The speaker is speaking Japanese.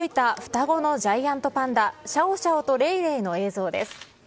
先ほど届いた双子のジャイアントパンダ、シャオシャオとレイレイの映像です。